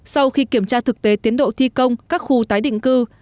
sau khi kiểm tra thực tế tiến độ thi công các khu tái định cư